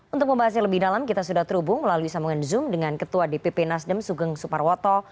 untuk membahasnya lebih dalam kita sudah terhubung melalui sambungan zoom dengan ketua dpp nasdem sugeng suparwoto